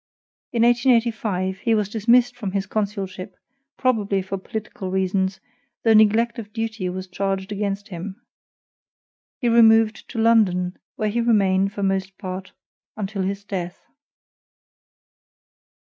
In 1885 he was dismissed from his consulship, probably for political reasons, though neglect of duty was charged against him. He removed to London where he remained, for most part, until his death.